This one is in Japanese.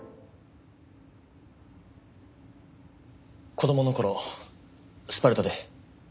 子供の頃スパルタで。